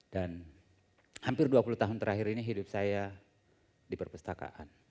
dan hampir dua puluh tahun terakhir ini hidup saya di perpustakaan